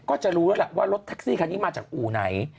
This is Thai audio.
ก็จะรู้แล้วล่ะว่ารถแท็กซี่คันนี้มาจากอู่ไหน